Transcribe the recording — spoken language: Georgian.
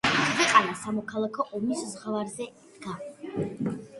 ქვეყანა სამოქალაქო ომის ზღვარზე იდგა.